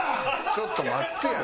ちょっと待ってや。